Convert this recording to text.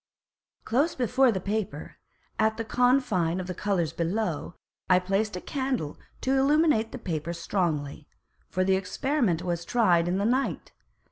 Close before the Paper, at the Confine of the Colours below, I placed a Candle to illuminate the Paper strongly: For the Experiment was tried in the Night.